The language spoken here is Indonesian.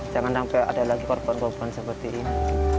jangan sampai ada lagi korban korban seperti ini